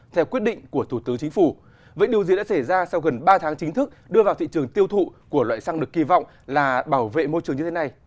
theo quyết định của thủ tướng chính phủ vậy điều gì đã xảy ra sau gần ba tháng chính thức đưa vào thị trường tiêu thụ của loại xăng được kỳ vọng là bảo vệ môi trường như thế này